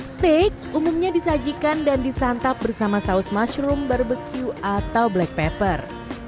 steak umumnya disajikan dan disantap bersama saus mushroom barbecue atau black pepper